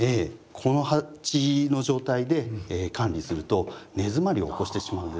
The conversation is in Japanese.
この鉢の状態で管理すると根詰まりを起こしてしまうんですよね。